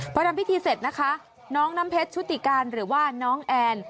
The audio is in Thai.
พอทำพิธีเสร็จนะคะน้องน้ำเพชรชุติการหรือว่าน้องแอน